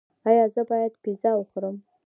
ایا زه باید پیزا وخورم؟